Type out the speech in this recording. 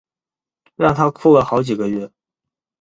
让她哭了好几个月